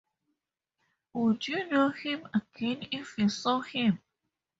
Would you know him again if you saw him?